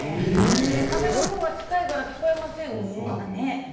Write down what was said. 壁の方が近いから聞こえませんか。